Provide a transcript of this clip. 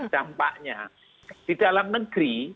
dampaknya di dalam negeri